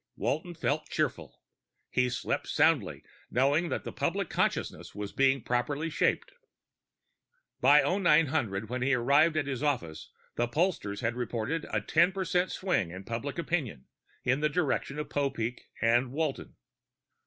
Walton felt cheerful. He slept soundly, knowing that the public consciousness was being properly shaped. By 0900, when he arrived at his office, the pollsters had reported a ten percent swing in public opinion, in the direction of Popeek and Walton.